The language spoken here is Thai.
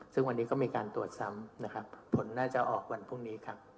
ซึ่งวันนี้ก็มีการตรวจซ้ำนะครับผลน่าจะออกวันพรุ่งนี้ครับ